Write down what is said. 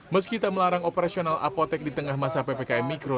meskipun melarang operasional apotek di tengah masa ppkm mikro